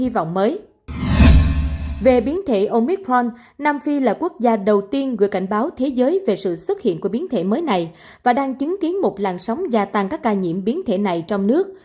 về biến thể omicron nam phi là quốc gia đầu tiên gửi cảnh báo thế giới về sự xuất hiện của biến thể mới này và đang chứng kiến một làn sóng gia tăng các ca nhiễm biến thể này trong nước